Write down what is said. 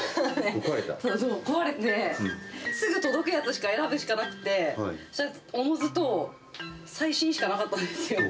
壊れて、すぐ届くやつしか選ぶしかなくて、そうしたらおのずと最新しかなかったんですよ。